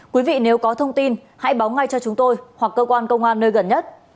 quý vị nếu có thông tin hãy báo ngay cho chúng tôi hoặc cơ quan công an nơi gần nhất